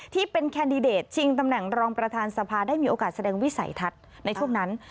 แคนดิเดตชิงตำแหน่งรองประธานสภาได้มีโอกาสแสดงวิสัยทัศน์ในช่วงนั้น